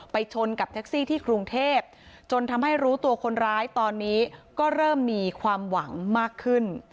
ชนกับแท็กซี่ที่กรุงเทพจนทำให้รู้ตัวคนร้ายตอนนี้ก็เริ่มมีความหวังมากขึ้น